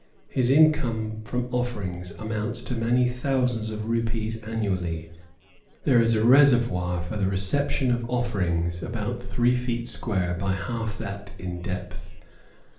His income from offerings amounts to many thousands of rupees annually: there is a reservoir for the reception of offerings about three feet square by half that in depth.